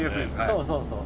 そうそうそう。